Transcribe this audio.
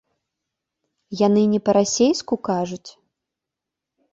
Яны не па-расейску кажуць?